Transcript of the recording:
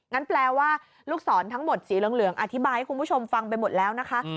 แปลว่าลูกศรทั้งหมดสีเหลืองอธิบายให้คุณผู้ชมฟังไปหมดแล้วนะคะ